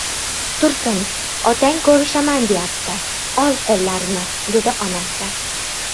— Tursun, otang ko‘rishaman deyapti, ol, qo‘llarini, — dedi onasi.